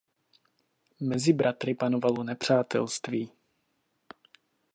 Mezi bratry panovalo nepřátelství.